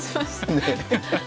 ねえ。